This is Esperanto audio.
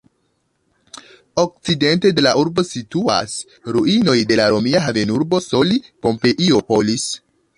Okcidente de la urbo situas ruinoj de la romia havenurbo Soli-Pompeiopolis.